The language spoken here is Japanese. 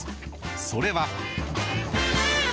それは。